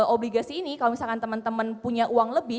obligasi ini kalau misalkan teman teman punya uang lebih